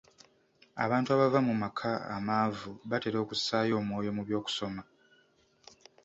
Abantu abava mu maka amaavu batera okussaayo omwoyo mu by'okusoma